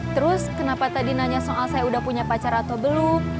terus kenapa tadi nanya soal saya udah punya pacar atau belum